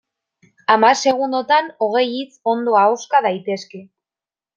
Hamar segundotan hogei hitz ondo ahoska daitezke.